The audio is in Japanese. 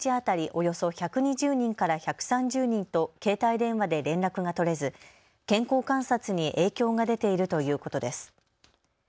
およそ１２０人から１３０人と携帯電話で連絡が取れず健康観察に影響が出ているということです。